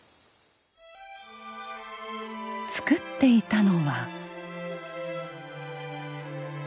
作っていたのは。